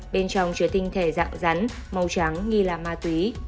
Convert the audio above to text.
bên trong chứa tinh thể dạng rắn màu trắng nghi là ma túy